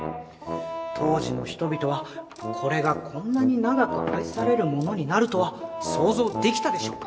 当時の人々はこれがこんなに長く愛されるものになるとは想像できたでしょうか？